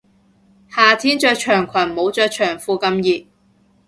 夏天着長裙冇着長褲咁熱